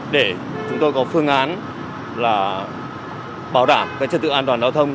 để chúng tôi có phương án là bảo đảm trật tự an toàn giao thông